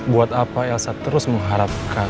buat apa elsa terus mengharapkan